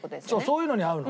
そういうのに合うの。